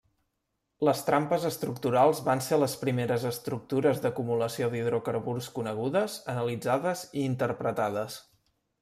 Les trampes estructurals van ser les primeres estructures d'acumulació d'hidrocarburs conegudes, analitzades i interpretades.